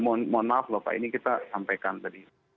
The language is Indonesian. mohon maaf lho pak ini kita sampaikan tadi